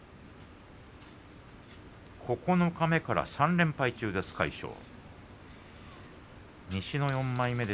九日目から３連敗中の魁勝です。